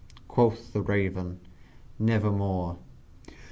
Quoth the Raven "Nevermore."